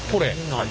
何？